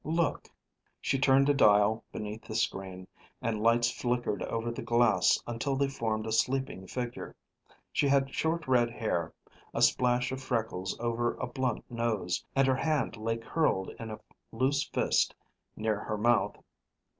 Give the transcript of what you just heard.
Look." She turned a dial beneath the screen and lights flickered over the glass until they formed a sleeping figure. She had short red hair, a splash of freckles over a blunt nose, and her hand lay curled in a loose fist near her mouth.